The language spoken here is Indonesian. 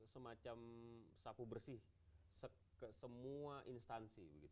semacam sapu bersih ke semua instansi